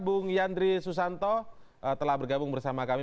bung yandri susanto telah bergabung bersama kami